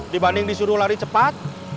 dibanding disuruh lari cepat